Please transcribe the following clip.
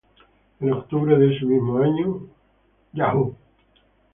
En octubre de ese mismo año Yahoo!